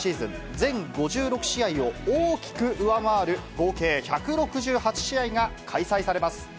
全５６試合を大きく上回る、合計１６８試合が開催されます。